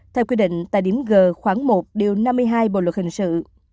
theo quy định tại điểm g khoảng một điều năm mươi hai bộ luật hình sự